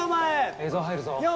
映像入るぞ。